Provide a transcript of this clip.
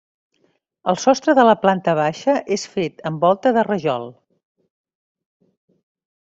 El sostre de la planta baixa és fet amb volta de rajol.